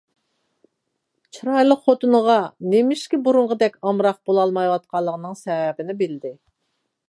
چىرايلىق خوتۇنىغا نېمىشقا بۇرۇنقىدەك ئامراق بولالمايۋاتقىنىنىڭ سەۋەبىنى بىلدى.